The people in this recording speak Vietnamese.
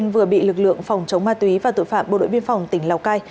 vừa bị lực lượng phòng chống ma túy và tội phạm bộ đội biên phòng tỉnh lào cai